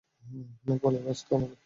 অনেক ভালোবাসত আমাকে।